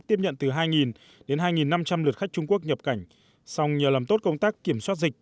tiếp nhận từ hai đến hai năm trăm linh lượt khách trung quốc nhập cảnh song nhờ làm tốt công tác kiểm soát dịch